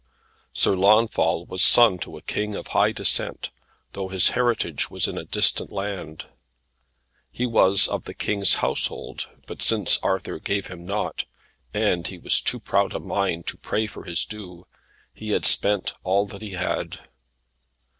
Sir Launfal was son to a King of high descent, though his heritage was in a distant land. He was of the King's household, but since Arthur gave him naught, and he was of too proud a mind to pray for his due, he had spent all that he had.